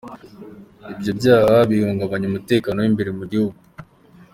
Ibyo byaha bihungabanya umutekano w’imbere mu gihugu.